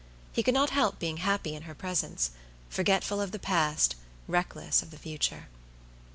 He could not help being happy in her presence; forgetful of the past, reckless of the future.